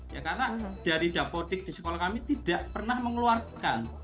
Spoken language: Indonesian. ya karena dari dapodik di sekolah kami tidak pernah mengeluarkan